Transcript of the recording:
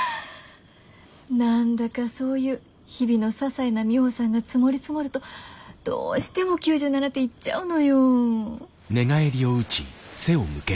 何だかそういう日々のささいなミホさんが積もり積もるとどうしても９７点いっちゃうのよ。